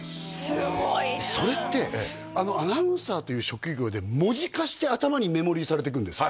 すごいなそれってアナウンサーという職業で文字化して頭にメモリーされていくんですか？